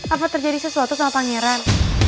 apa terjadi sesuatu sama pangeran